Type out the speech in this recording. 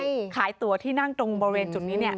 ใช่ขายตัวที่นั่งตรงบริเวณจุดนี้เนี่ย